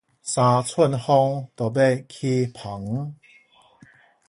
三寸風就欲起帆